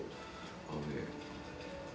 あのね